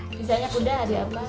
misalnya mudah ada apa